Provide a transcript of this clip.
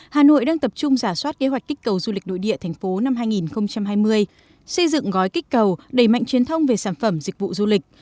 hà nội đang tập trung giả soát kế hoạch kích cầu du lịch nội địa thành phố năm hai nghìn hai mươi xây dựng gói kích cầu đẩy mạnh truyền thông về sản phẩm dịch vụ du lịch